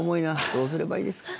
どうすればいいですか？